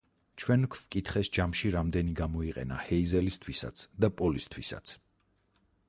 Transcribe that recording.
ჩვენ გვკითხეს ჯამში რამდენი გამოიყენა ჰეიზელისთვისაც და პოლისთვისაც.